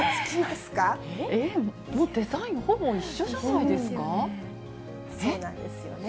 デザイン、ほぼ一緒じゃないそうなんですよね。